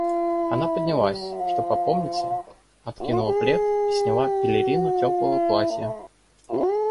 Она поднялась, чтоб опомниться, откинула плед и сняла пелерину теплого платья.